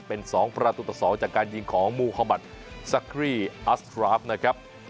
เป็น๒ประตูต่อ๒จากการยิงของมูฮามัติซักรี่อัสราฟนะครับ